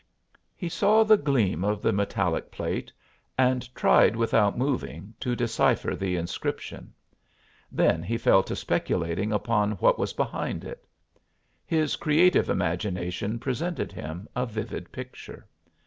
He saw the gleam of the metallic plate and tried without moving to decipher the inscription. Then he fell to speculating upon what was behind it. His creative imagination presented him a vivid picture.